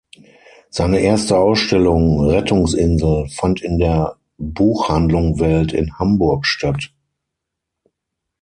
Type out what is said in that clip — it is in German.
Seine erste Ausstellung "Rettungsinsel" fand in der "Buch Handlung Welt" in Hamburg statt.